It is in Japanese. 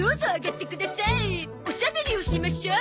おしゃべりをしましょう。